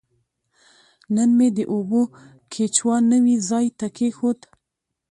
نن مې د اوبو کیچوا نوي ځای ته کیښود.